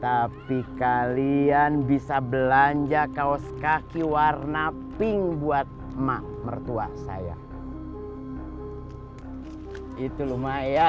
tapi kalian bisa belanja kaos kaki warna pink buat emak mertua saya itu lumayan